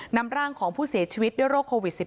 นำร่างของผู้เสียชีวิตด้วยโรคโควิด๑๙